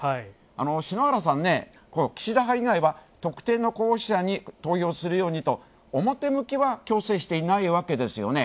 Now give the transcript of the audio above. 篠原さん、岸田派以外は特定の候補者に投票するようにと表向きは強制していないわけですよね。